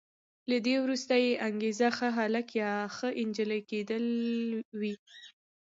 له دې وروسته یې انګېزه ښه هلک یا ښه انجلۍ کېدل وي.